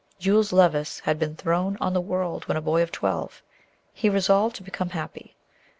Jules Levice had been thrown on the world when a boy of twelve. He resolved to become happy.